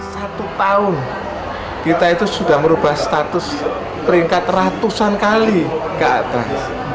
satu tahun kita itu sudah merubah status peringkat ratusan kali ke atas